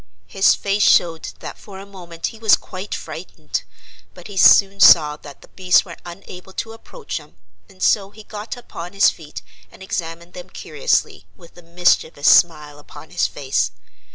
His face showed that for a moment he was quite frightened, but he soon saw that the beasts were unable to approach him and so he got upon his feet and examined them curiously, with a mischievous smile upon his face.